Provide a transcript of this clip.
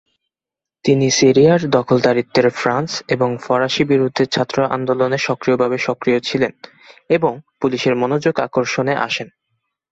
তিনি সিরিয়ার দখলদারিত্বের ফ্রান্স এবং ফরাসি বিরুদ্ধে ছাত্র আন্দোলনে সক্রিয়ভাবে সক্রিয় ছিলেন, এবং পুলিশের মনোযোগ আকর্ষণে আসেন।